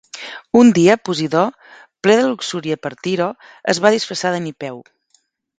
Un dia, Posidó, ple de luxúria per Tiro, es va disfressar d'Enipeu.